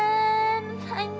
kenapa kamu dengan mlg